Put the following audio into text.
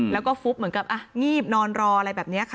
แล้วก็ฟุบเหมือนกับงีบนอนรออะไรแบบนี้ค่ะ